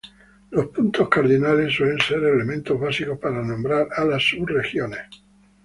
Los puntos cardinales, suelen ser elementos básicos para nombrar a las subregiones.